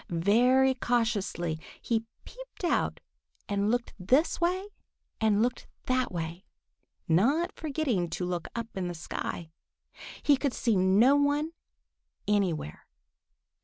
Very cautiously he peeped out and looked this way and looked that way, not forgetting to look up in the sky. He could see no one anywhere.